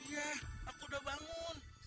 iya aku udah bangun